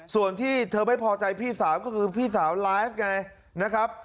ส่วนที่เธอไม่พอใจพี่สาวก็คือพี่สาวไลฟ์ไงนะครับ